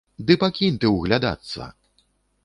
Ды пакінь ты ўглядацца!